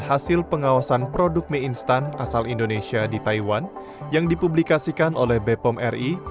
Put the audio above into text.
hasil pengawasan produk mie instan asal indonesia di taiwan yang dipublikasikan oleh bepom ri